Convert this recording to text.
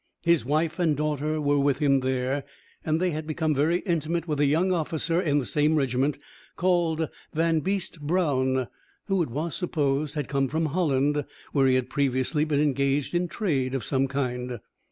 His wife and daughter were with him there, and they had become very intimate with a young officer in the same regiment, called Vanbeest Brown, who, it was supposed, had came from Holland, where he had previously been engaged in trade of some kind.